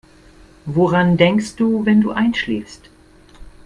Woran denkst du, wenn du einschläfst?